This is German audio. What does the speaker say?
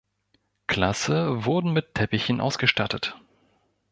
Klasse wurden mit Teppichen ausgestattet.